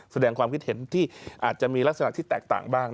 แสดงความคิดเห็นที่อาจจะมีลักษณะที่แตกต่างบ้าง